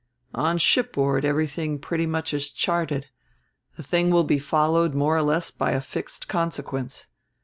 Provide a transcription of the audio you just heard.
On shipboard everything pretty much is charted; a thing will be followed more or less by a fixed consequence.